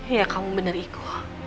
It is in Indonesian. ya kamu benar iko